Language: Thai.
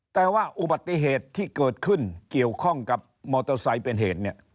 แต่ว่าอุบัติเหตุที่เกิดขึ้นเกี่ยวข้องกับมอเตอร์ไซค์เป็นเหตุเนี่ย